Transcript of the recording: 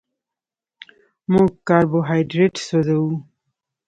موږ کاربوهایډریټ سوځوو